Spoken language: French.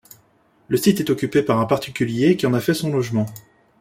Le site est occupé par un particulier qui en a fait son logement.